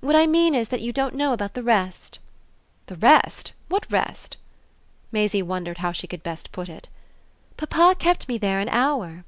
"What I mean is that you don't know about the rest." "The rest? What rest?" Maisie wondered how she could best put it. "Papa kept me there an hour."